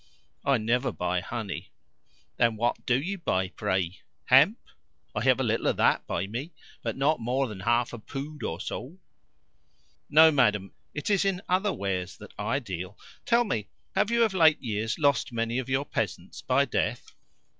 "I never buy honey." "Then WHAT do you buy, pray? Hemp? I have a little of that by me, but not more than half a pood or so." "No, madam. It is in other wares that I deal. Tell me, have you, of late years, lost many of your peasants by death?"